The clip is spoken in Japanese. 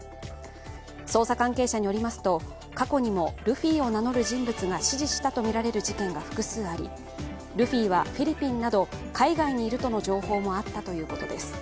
捜査関係者によりますと過去にもルフィと名乗る人物が指示したとみられる事件が複数あり、ルフィはフィリピンなど海外にいるとの情報もあったということです。